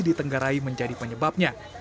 di tenggarai menjadi penyebabnya